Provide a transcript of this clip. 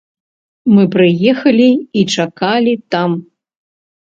Мы прыехалі і чакалі там.